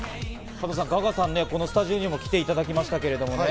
加藤さん、ガガさんね、このスタジオにも来ていただきましたけどね。